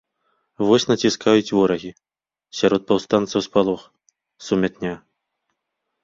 Вось націскаюць ворагі, сярод паўстанцаў спалох, сумятня.